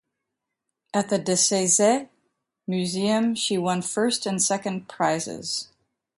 At the De Saisset Museum she won first and second prizes.